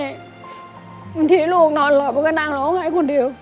บางทีลูกนอนหลับมันก็นั่งร้องไห้คนเดียว